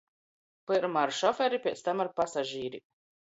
Pyrma ar šoferi, piec tam ar pasažīrim.